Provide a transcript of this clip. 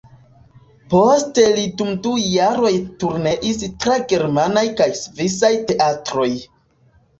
Poste li dum du jaroj turneis tra germanaj kaj svisaj teatroj.